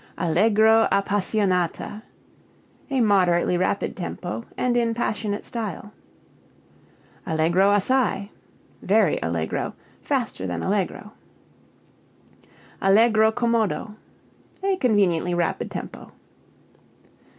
Allegro appassionata a moderately rapid tempo, and in passionate style. Allegro assai (very allegro) faster than allegro. Allegro commodo a conveniently rapid tempo.